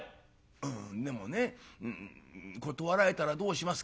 「うんでもね『断られたらどうしますか』って聞いたらね